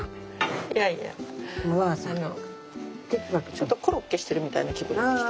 ちょっとコロッケしてるみたいな気分になってきた。